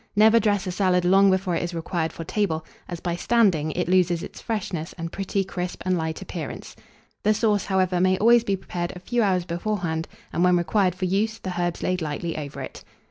Never dress a salad long before it is required for table, as, by standing, it loses its freshness and pretty crisp and light appearance; the sauce, however, may always be prepared a few hours beforehand, and when required for use, the herbs laid lightly over it.